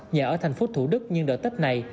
nhà ở thành phố thủ đức nhưng đợt tết này